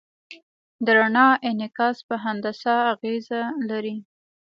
د رڼا انعکاس په هندسه اغېز لري.